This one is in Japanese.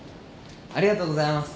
ありがとうございます。